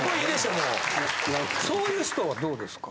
そういう人はどうですか？